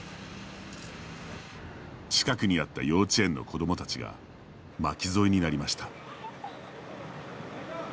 近くにあった幼稚園の子どもたちが巻き添えになりました。